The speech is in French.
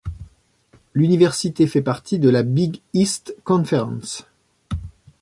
L'université fait partie de la Big East Conference.